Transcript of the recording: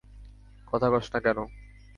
কথা কসনা কেন?